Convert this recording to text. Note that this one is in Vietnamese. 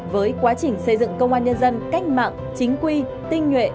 với quá trình xây dựng công an nhân dân cách mạng chính quy tinh nhuệ